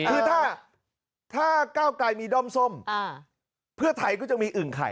คือถ้าก้าวไกลมีด้อมส้มเพื่อไทยก็จะมีอึ่งไข่